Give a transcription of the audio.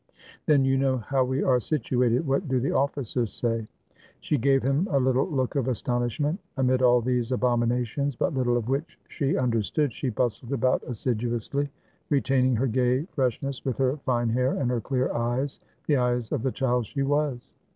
"Then you know how we are situated — what do the officers say?" She gave him a little look of astonishment. Amid all these abominations, but little of which she understood, she bustled about assiduously, retaining her gay fresh ness, with her fine hair and her clear eyes, the eyes of the child she was.